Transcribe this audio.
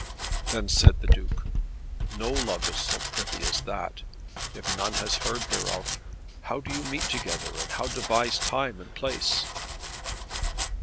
Then said the Duke, "No love is so privy as that. If none has heard thereof, how do you meet together, and how devise time and place?"